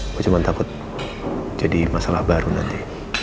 gue cuman takut jadi masalah baru nanti